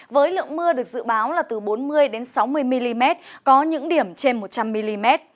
với lượng mưa được dự báo là từ bốn mươi sáu mươi mm có những điểm trên một trăm linh mm